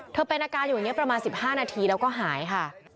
เธอแปรนาการอยู่อย่างนี้ประมาณสิบห้านาทีแล้วก็หายค่ะ